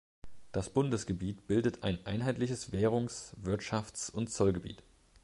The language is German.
Das Bundesgebiet bildet ein einheitliches Währungs-, Wirtschafts- und Zollgebiet.